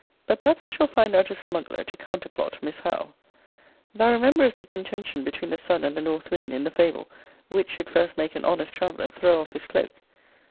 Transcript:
But perhaps I shall find out a smuggler to counterplot Miss Howe. Thou remembrest the contention between the Sun and the North wind, in the fable; which should first make an honest traveller throw off his cloak.